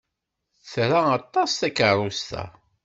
Tra aṭas takeṛṛust-a.